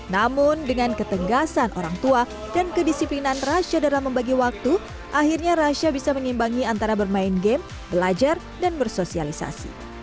namun dengan ketegasan orang tua dan kedisiplinan rasha dalam membagi waktu akhirnya rasha bisa mengimbangi antara bermain game belajar dan bersosialisasi